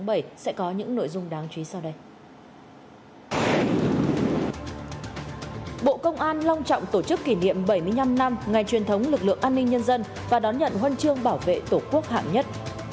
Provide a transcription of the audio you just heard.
bộ công an long trọng tổ chức kỷ niệm bảy mươi năm năm ngày truyền thống lực lượng an ninh nhân dân và đón nhận huân chương bảo vệ tổ quốc hạng nhất